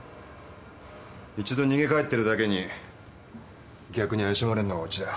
一度逃げ帰ってるだけに逆に怪しまれるのがオチだ。